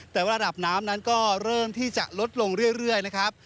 แต่ระดับน้ำนั้นก็เริ่มที่จะลดลงเรื่อยนะครับ